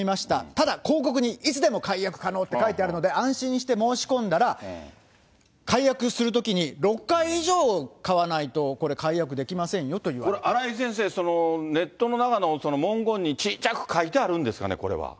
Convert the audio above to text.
ただ、広告にいつでも解約可能って書いてあるので、安心して申し込んだら、解約するときに、６回以上買わないと、これ、これ、荒井先生、ネットの中の文言にちいちゃく書いてあるんですかね、これは。